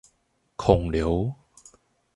孔劉